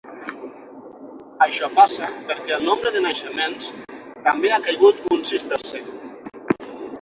Això passa perquè el nombre de naixements també ha caigut un sis per cent.